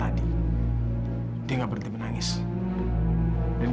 walaupun saya tidak mau keluar